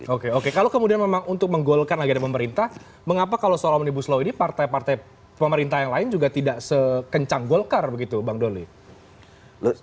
oke oke kalau kemudian memang untuk menggolkan lagi ada pemerintah mengapa kalau soal omnibus law ini partai partai pemerintah yang lain juga tidak sekencang golkar begitu bang doli